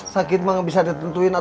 sakit mah bisa ditentuin